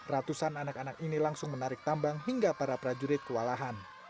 ratusan anak anak ini langsung menarik tambang hingga para prajurit kewalahan